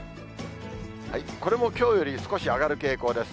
これもきょうより少し上がる傾向です。